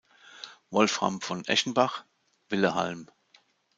Wolfram von Eschenbach: Willehalm.